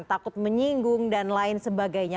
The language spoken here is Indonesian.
takut menyinggung dan lain sebagainya